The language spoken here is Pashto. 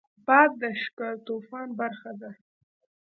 باد د شګهطوفان برخه ده